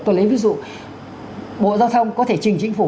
tôi lấy ví dụ bộ giao thông có thể trình chính phủ